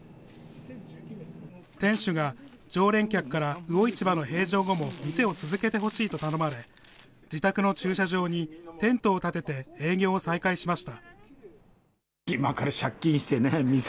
店主が常連客から魚市場の閉場後も店を続けてほしいと頼まれ、自宅の駐車場にテントを建てて営業を再開しました。